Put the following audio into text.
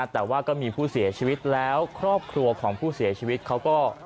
แต่ว่าก็มีผู้เสียชีวิตแล้วครอบครัวของผู้เสียชีวิตเขาก็